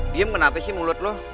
diam kenapa sih mulut lu